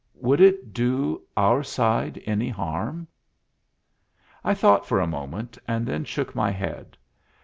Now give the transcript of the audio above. Would it do our side any harm?" I thought for a moment, and then shook my head.